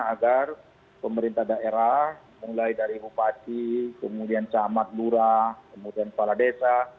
agar pemerintah daerah mulai dari bupati kemudian camat lurah kemudian kepala desa